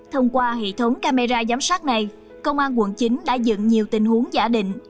thông qua hệ thống camera giám sát này công an quận chín đã dựng nhiều tình huống giả định